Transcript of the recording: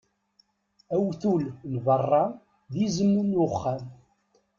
Awtul n beṛṛa, d izem n uxxam.